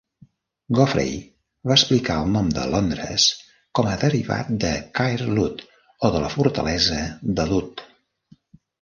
Geoffrey va explicar el nom de "Londres" com a derivat de "Caer Lud", o de la fortalesa de Lud.